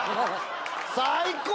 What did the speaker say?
最高！